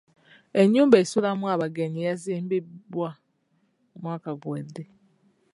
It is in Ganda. Ennyumba esulwamu abagenyi yazimbibwa mwaka guwedde